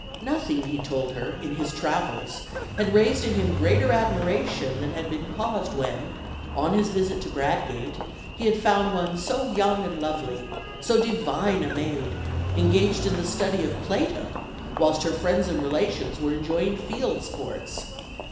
Nothing, he told her, in his travels, had raised in him greater admiration than had been caused when, on his visit to Bradgate, he had found one so young and lovely so divine a maid engaged in the study of Plato whilst friends and relations were enjoying field sports.